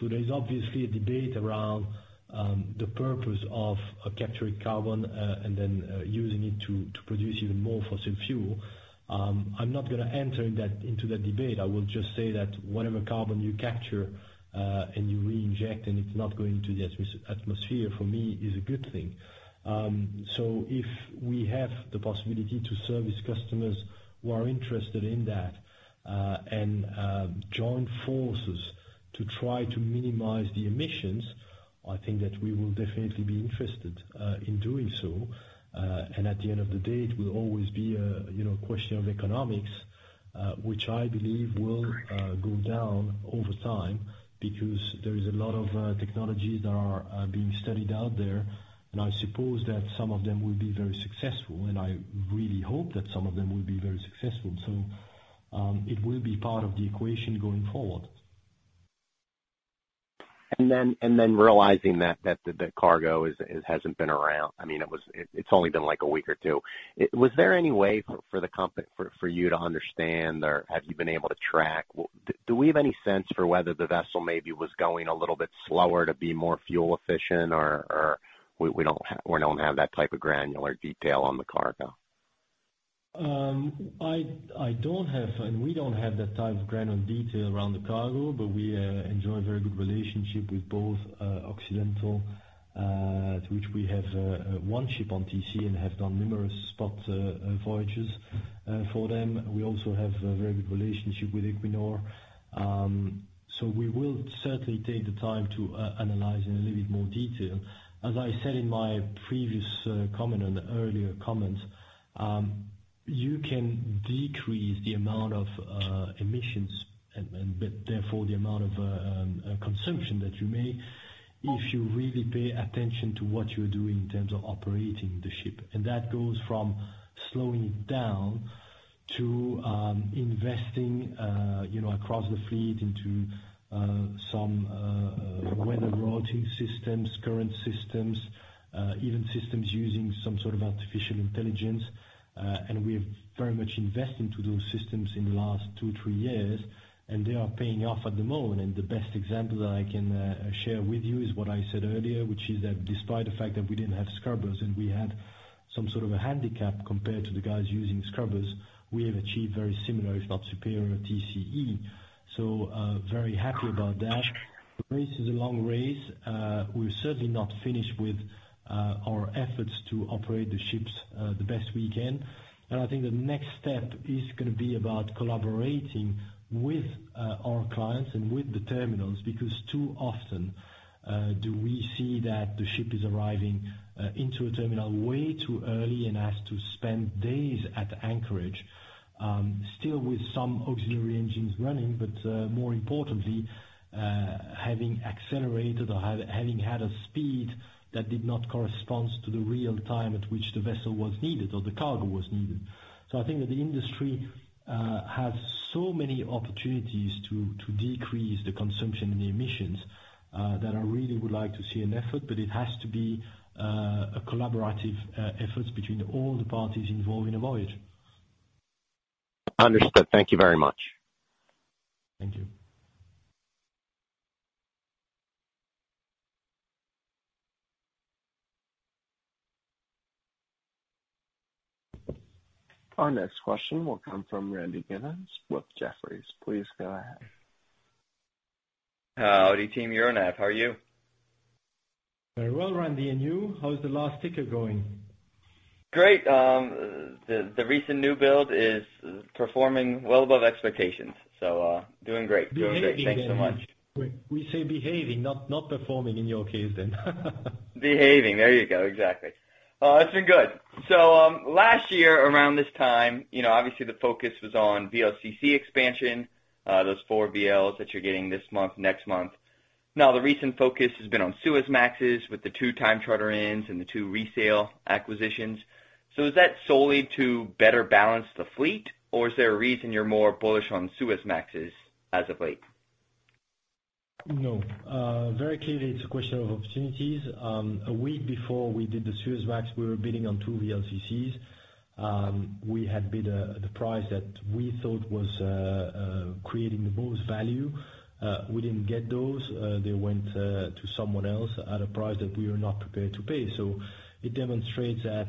There's obviously a debate around the purpose of capturing carbon and then using it to produce even more fossil fuel. I'm not going to enter into that debate. I will just say that whatever carbon you capture and you reinject, and it's not going to the atmosphere, for me, is a good thing. If we have the possibility to service customers who are interested in that, and join forces to try to minimize the emissions, I think that we will definitely be interested in doing so. At the end of the day, it will always be a question of economics, which I believe will go down over time because there is a lot of technologies that are being studied out there, and I suppose that some of them will be very successful, and I really hope that some of them will be very successful. It will be part of the equation going forward. Realizing that the cargo hasn't been around. I mean, it's only been like a week or two. Was there any way for you to understand, or have you been able to track? Do we have any sense for whether the vessel maybe was going a little bit slower to be more fuel efficient, or we don't have that type of granular detail on the cargo? I don't have, and we don't have that type of granular detail around the cargo, but we enjoy a very good relationship with both Occidental, to which we have one ship on TC, and have done numerous spot voyages for them. We also have a very good relationship with Equinor. We will certainly take the time to analyze in a little bit more detail. As I said in my previous comment, on the earlier comments, you can decrease the amount of emissions, and therefore the amount of consumption that you make, if you really pay attention to what you're doing in terms of operating the ship. That goes from slowing it down to investing across the fleet, some weather routing systems, current systems, even systems using some sort of artificial intelligence. We've very much invested into those systems in the last two, three years, and they are paying off at the moment. The best example that I can share with you is what I said earlier, which is that despite the fact that we didn't have scrubbers and we had some sort of a handicap compared to the guys using scrubbers, we have achieved very similar, if not superior TCE. Very happy about that. The race is a long race. We're certainly not finished with our efforts to operate the ships the best we can. I think the next step is going to be about collaborating with our clients and with the terminals, because too often, do we see that the ship is arriving into a terminal way too early and has to spend days at anchorage, still with some auxiliary engines running, but, more importantly, having accelerated or having had a speed that did not correspond to the real time at which the vessel was needed or the cargo was needed. I think that the industry has so many opportunities to decrease the consumption and the emissions, that I really would like to see an effort, but it has to be a collaborative effort between all the parties involved in a voyage. Understood. Thank you very much. Thank you. Our next question will come from Randy Giveans with Jefferies. Please go ahead. Howdy, Team Euronav. How are you? Very well, Randy, and you? How's the last ticker going? Great. The recent new build is performing well above expectations. Doing great. Doing great. Thanks so much. We say behaving, not performing in your case then. Behaving. There you go. Exactly. It's been good. Last year around this time, obviously the focus was on VLCC expansion, those four VLs that you're getting this month, next month. Now the recent focus has been on Suezmaxes with the two time charter ins and the two resale acquisitions. Is that solely to better balance the fleet, or is there a reason you're more bullish on Suezmaxes as of late? No. Very clearly, it's a question of opportunities. A week before we did the Suezmax, we were bidding on two VLCCs. We had bid the price that we thought was creating the most value. We didn't get those. They went to someone else at a price that we were not prepared to pay. It demonstrates that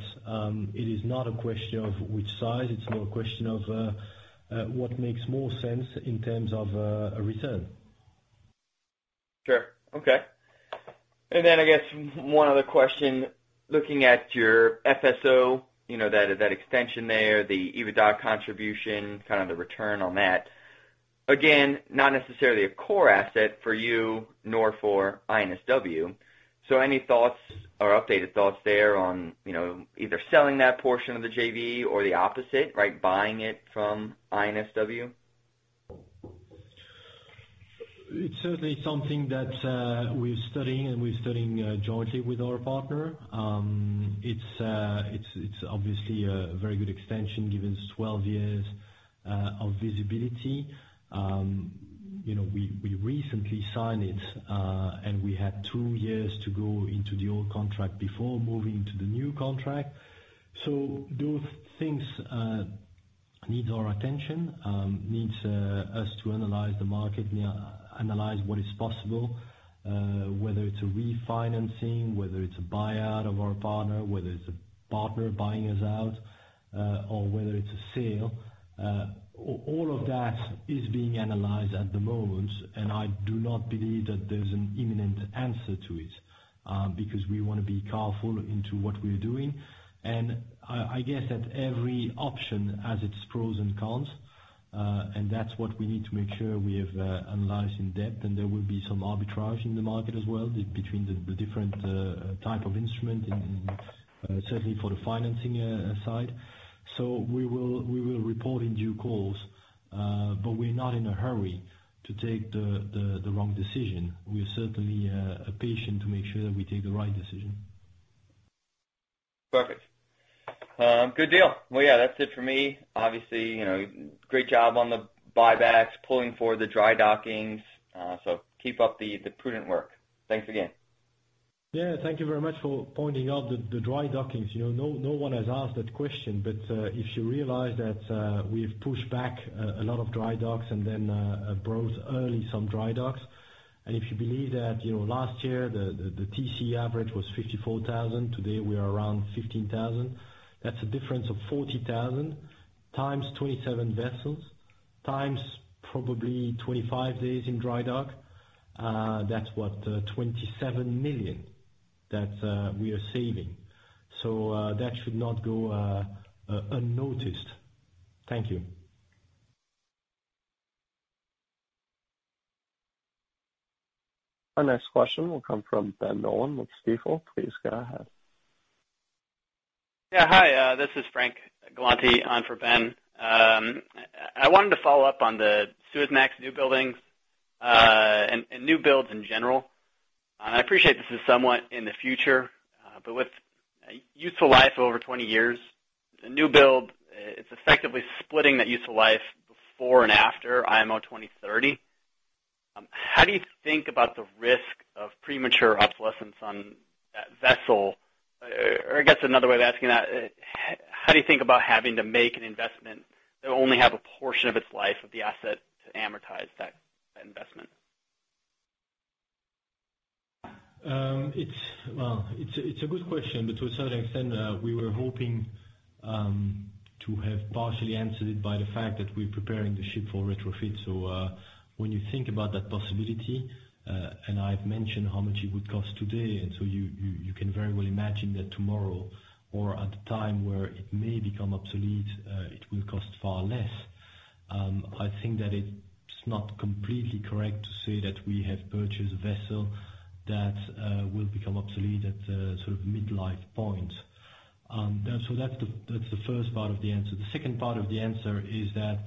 it is not a question of which size. It's more a question of what makes more sense in terms of return. Sure. Okay. I guess one other question, looking at your FSO, that extension there, the EBITDA contribution, kind of the return on that. Again, not necessarily a core asset for you nor for INSW. Any thoughts or updated thoughts there on either selling that portion of the JV or the opposite, buying it from INSW? It's certainly something that we're studying, and we're studying jointly with our partner. It's obviously a very good extension, given it's 12 years of visibility. We recently signed it, and we had two years to go into the old contract before moving to the new contract. Those things need our attention, needs us to analyze the market, analyze what is possible, whether it's a refinancing, whether it's a buyout of our partner, whether it's a partner buying us out, or whether it's a sale. All of that is being analyzed at the moment, and I do not believe that there's an imminent answer to it, because we want to be careful into what we're doing. I guess that every option has its pros and cons, and that's what we need to make sure we have analyzed in depth, and there will be some arbitrage in the market as well between the different type of instrument, certainly for the financing side. We will report in due course, but we're not in a hurry to take the wrong decision. We are certainly patient to make sure that we take the right decision. Perfect. Good deal. Well, yeah, that's it for me. Obviously, great job on the buybacks, pulling forward the dry dockings. Keep up the prudent work. Thanks again. Yeah, thank you very much for pointing out the dry dockings. No one has asked that question, but if you realize that we've pushed back a lot of dry docks and then brought early some dry docks. If you believe that last year, the TC average was 54,000, today we are around 15,000. That's a difference of 40,000 times 27 vessels, times probably 25 days in dry dock. That's what, $27 million that we are saving. That should not go unnoticed. Thank you. Our next question will come from Ben Nolan with Stifel. Please go ahead. Yeah. Hi, this is Frank Galanti on for Ben. I wanted to follow up on the Suezmax new buildings and new builds in general. I appreciate this is somewhat in the future, but with a useful life over 20 years, a new build, it's effectively splitting that useful life before and after IMO 2030. How do you think about the risk of premature obsolescence on that vessel? I guess another way of asking that is, how do you think about having to make an investment that will only have a portion of its life of the asset to amortize that investment? Well, it's a good question. To a certain extent, we were hoping to have partially answered it by the fact that we're preparing the ship for retrofit. When you think about that possibility, and I've mentioned how much it would cost today, you can very well imagine that tomorrow or at the time where it may become obsolete, it will cost far less. I think that it's not completely correct to say that we have purchased a vessel that will become obsolete at the sort of midlife point. That's the first part of the answer. The second part of the answer is that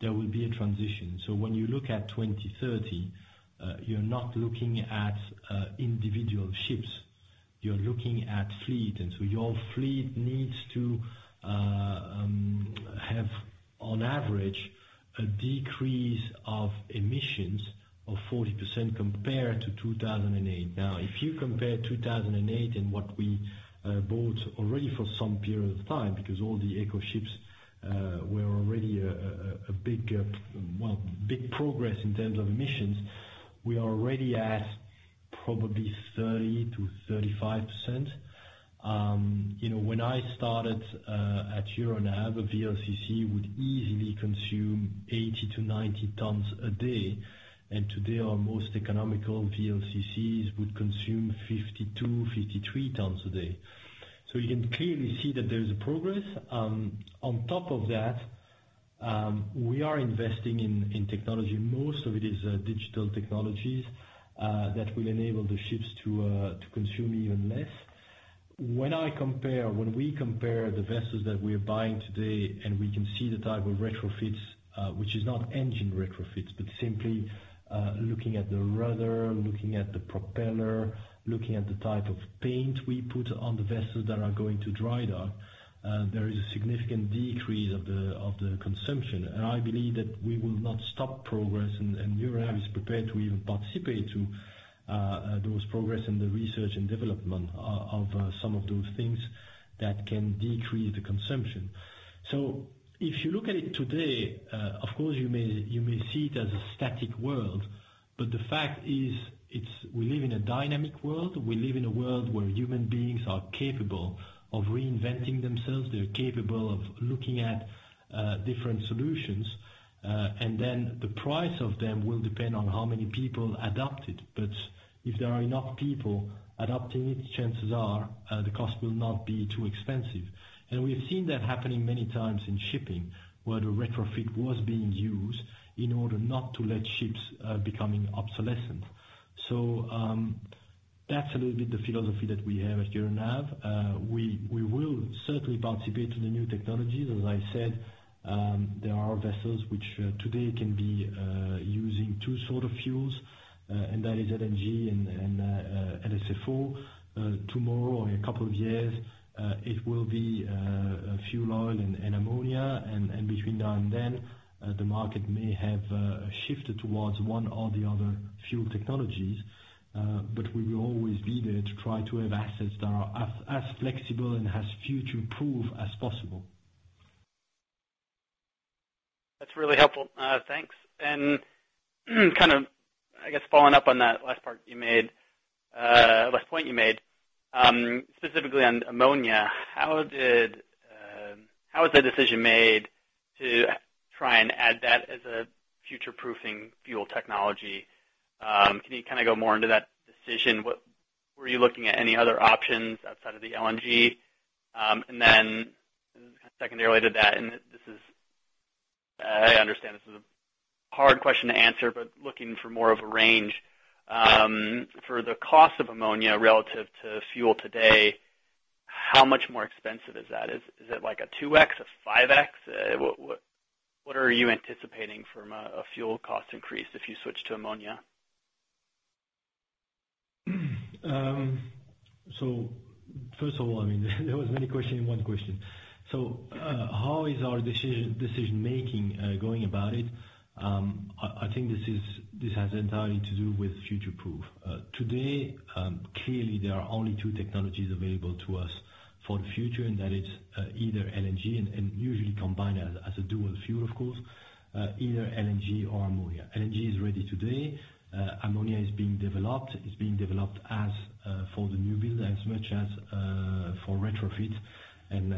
there will be a transition. When you look at 2030, you're not looking at individual ships, you're looking at fleet. Your fleet needs to have, on average, a decrease of emissions of 40% compared to 2008. If you compare 2008 and what we bought already for some period of time, because all the eco ships were already a big progress in terms of emissions, we are already at probably 30%-35%. When I started at Euronav, a VLCC would easily consume 80-90 tons a day. Today our most economical VLCCs would consume 52, 53 tons a day. You can clearly see that there is progress. On top of that, we are investing in technology. Most of it is digital technologies that will enable the ships to consume even less. When we compare the vessels that we are buying today and we can see the type of retrofits, which is not engine retrofits, but simply looking at the rudder, looking at the propeller, looking at the type of paint we put on the vessels that are going to drydock, there is a significant decrease of the consumption. I believe that we will not stop progress, and Euronav is prepared to even participate to those progress in the research and development of some of those things that can decrease the consumption. If you look at it today, of course you may see it as a static world, but the fact is, we live in a dynamic world. We live in a world where human beings are capable of reinventing themselves. They are capable of looking at different solutions, and then the price of them will depend on how many people adopt it. If there are enough people adopting it, chances are the cost will not be too expensive. We have seen that happening many times in shipping, where the retrofit was being used in order not to let ships becoming obsolescent. That's a little bit the philosophy that we have at Euronav. We will certainly participate in the new technologies. As I said, there are vessels which today can be using two sort of fuels, and that is LNG and LFO. Tomorrow or in a couple of years, it will be fuel oil and ammonia. Between now and then, the market may have shifted towards one or the other fuel technologies. We will always be there to try to have assets that are as flexible and as future-proof as possible. That's really helpful. Thanks. Kind of, I guess following up on that last point you made, specifically on ammonia, how was the decision made to try and add that as a future-proofing fuel technology? Can you go more into that decision? Were you looking at any other options outside of the LNG? Then secondarily to that, I understand this is a hard question to answer, but looking for more of a range. For the cost of ammonia relative to fuel today, how much more expensive is that? Is it like a 2x, a 5x? What are you anticipating from a fuel cost increase if you switch to ammonia? First of all, there was many questions in one question. How is our decision-making going about it? I think this has entirely to do with future-proof. Today, clearly there are only two technologies available to us for the future, and that is either LNG, and usually combined as a dual fuel of course, either LNG or ammonia. LNG is ready today. Ammonia is being developed. It's being developed as for the new build as much as for retrofit, and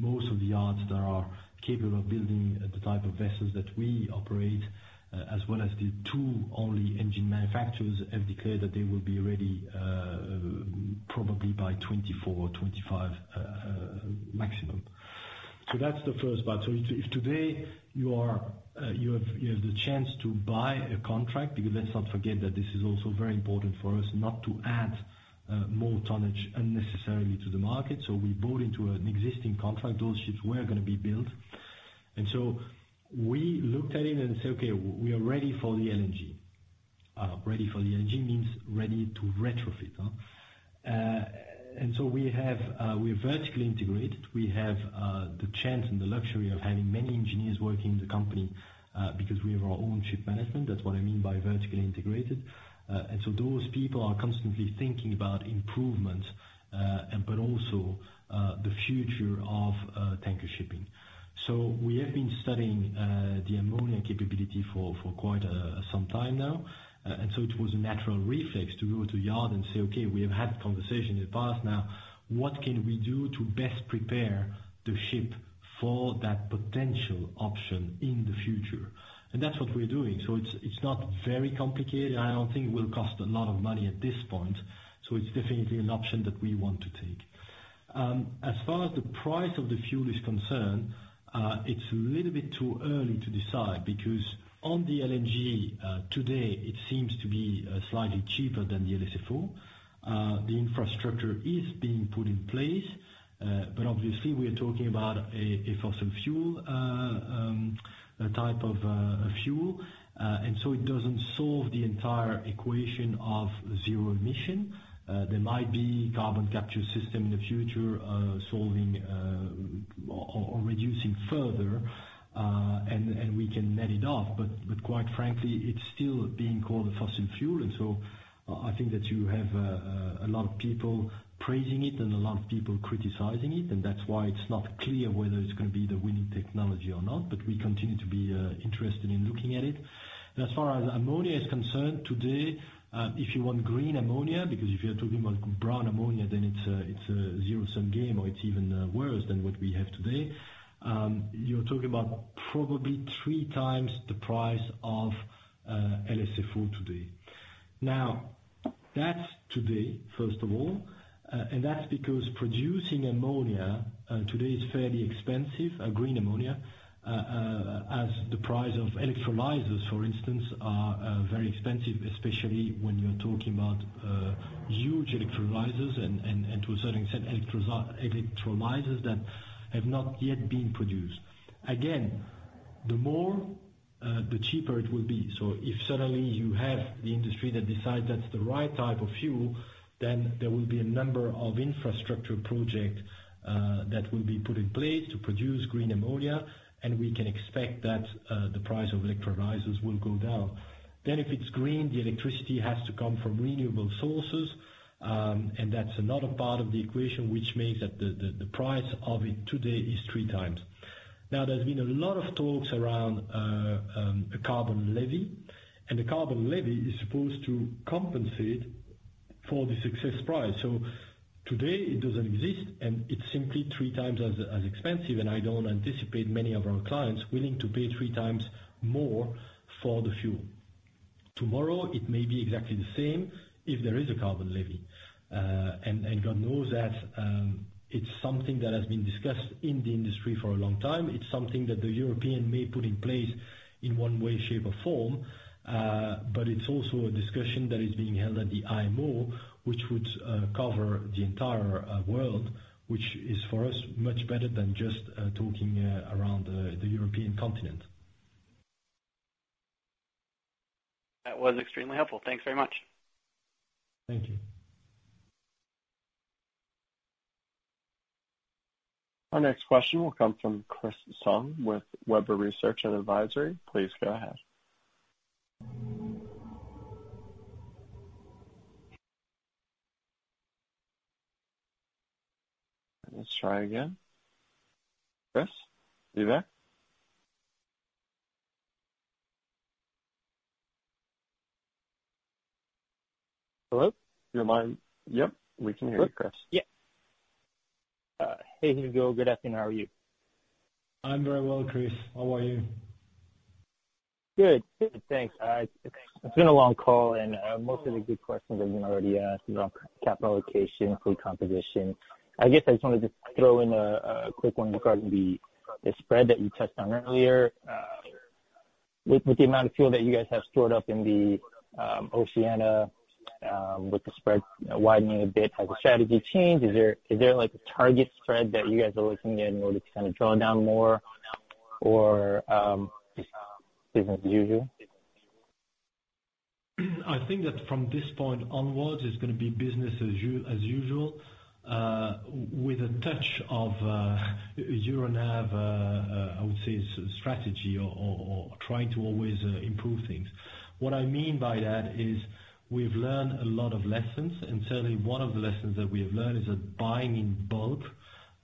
most of the yards that are capable of building the type of vessels that we operate, as well as the two only engine manufacturers, have declared that they will be ready probably by 2024 or 2025 maximum. That's the first part. If today you have the chance to buy a contract, because let's not forget that this is also very important for us not to add more tonnage unnecessarily to the market. We bought into an existing contract. Those ships were going to be built. We looked at it and said, "Okay, we are ready for the LNG." Ready for the LNG means ready to retrofit. We have vertically integrated. We have the chance and the luxury of having many engineers working in the company, because we have our own ship management. That's what I mean by vertically integrated. Those people are constantly thinking about improvements, but also the future of tanker shipping. We have been studying the ammonia capability for quite some time now. It was a natural reflex to go to yard and say, "Okay, we have had conversations in the past. Now, what can we do to best prepare the ship for that potential option in the future?" That's what we're doing. It's not very complicated, and I don't think it will cost a lot of money at this point. It's definitely an option that we want to take. As far as the price of the fuel is concerned, it's a little bit too early to decide, because on the LNG, today, it seems to be slightly cheaper than the LSFO. The infrastructure is being put in place. Obviously, we are talking about a fossil fuel type of fuel. It doesn't solve the entire equation of zero emission. There might be carbon capture system in the future, solving or reducing further. We can net it off. Quite frankly, it's still being called a fossil fuel. I think that you have a lot of people praising it and a lot of people criticizing it, and that's why it's not clear whether it's going to be the winning technology or not. We continue to be interested in looking at it. As far as ammonia is concerned today, if you want green ammonia, because if you're talking about brown ammonia, it's a zero-sum game, or it's even worse than what we have today. You're talking about probably three times the price of LSFO today. That's today, first of all, and that's because producing ammonia today is fairly expensive, green ammonia, as the price of electrolyzers, for instance, are very expensive, especially when you're talking about huge electrolyzers and to a certain extent, electrolyzers that have not yet been produced. Again, the more, the cheaper it will be. If suddenly you have the industry that decides that's the right type of fuel, then there will be a number of infrastructure projects that will be put in place to produce green ammonia, and we can expect that the price of electrolyzers will go down. If it's green, the electricity has to come from renewable sources, and that's another part of the equation, which means that the price of it today is three times. There's been a lot of talks around a carbon levy. A carbon levy is supposed to compensate for the excess price. Today it doesn't exist, and it's simply three times as expensive, and I don't anticipate many of our clients willing to pay three times more for the fuel. Tomorrow, it may be exactly the same if there is a carbon levy. God knows that it's something that has been discussed in the industry for a long time. It's something that the European may put in place in one way, shape, or form. It's also a discussion that is being held at the IMO, which would cover the entire world, which is for us, much better than just talking around the European continent. That was extremely helpful. Thanks very much. Thank you. Our next question will come from Chris Tsung with Webber Research & Advisory. Please go ahead. Let's try again. Chris, are you there? Hello? Do you mind? Yep, we can hear you, Chris. Yeah. Hey, Hugo. Good afternoon. How are you? I'm very well, Chris. How are you? Good, thanks. It's been a long call, and most of the good questions have been already asked about capital allocation, fleet composition. I guess I just wanted to throw in a quick one regarding the spread that you touched on earlier. With the amount of fuel that you guys have stored up in the Oceania, with the spread widening a bit, has the strategy changed? Is there a target spread that you guys are looking at in order to kind of draw down more or just business as usual? I think that from this point onwards, it's going to be business as usual with a touch of Euronav, I would say, strategy or trying to always improve things. What I mean by that is we've learned a lot of lessons, and certainly one of the lessons that we have learned is that buying in bulk,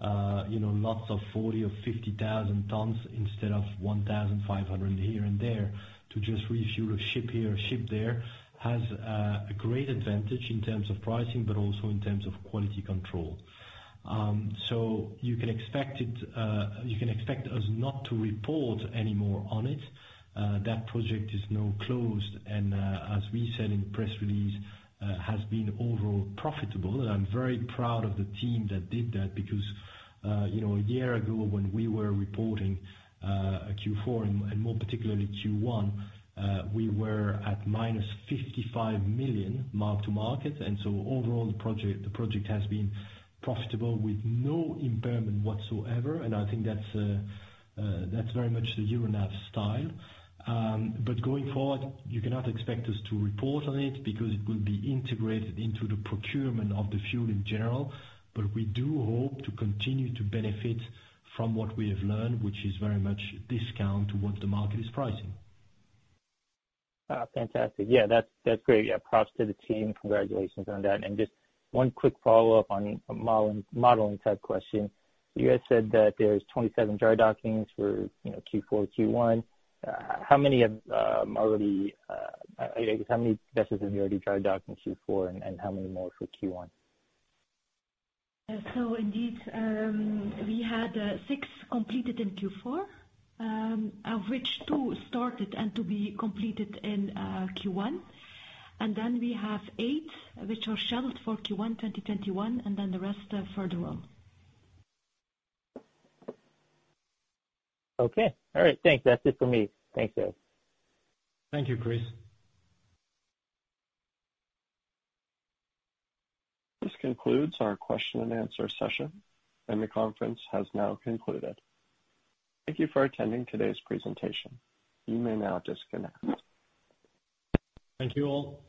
lots of 40,000 or 50,000 tons instead of 1,500 here and there to just refuel a ship here, a ship there, has a great advantage in terms of pricing, but also in terms of quality control. You can expect us not to report any more on it. That project is now closed, as we said in the press release, has been overall profitable, and I'm very proud of the team that did that because a year ago when we were reporting Q4, and more particularly Q1, we were at -$55 million mark to market. Overall, the project has been profitable with no impairment whatsoever, and I think that's very much the Euronav style. Going forward, you cannot expect us to report on it because it will be integrated into the procurement of the fuel in general. We do hope to continue to benefit from what we have learned, which is very much discount to what the market is pricing. Fantastic. That's great. Props to the team. Congratulations on that. Just one quick follow-up on a modeling type question. You guys said that there's 27 dry dockings for Q4, Q1. How many vessels have you already dry docked in Q4, and how many more for Q1? Indeed, we had six completed in Q4, of which two started and to be completed in Q1. We have eight which are scheduled for Q1 2021, and then the rest are further on. Okay. All right. Thanks. That's it for me. Thanks, guys. Thank you, Chris. This concludes our question-and-answer session, and the conference has now concluded. Thank you for attending today's presentation. You may now disconnect. Thank you all.